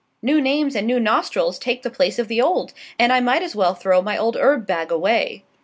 New names and new nostrils takes the place of the old, and I might as well throw my old herb bag away."